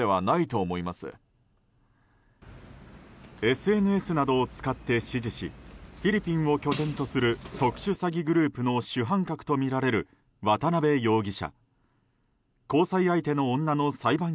ＳＮＳなどを使って指示しフィリピンを拠点とする特殊詐欺グループの主犯格とみられる渡邉容疑者。